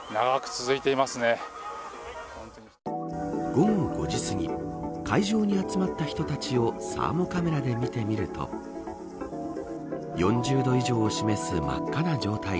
午後５時すぎ会場に集まった人たちをサーモカメラで見てみると４０度以上を示す真っ赤な状態。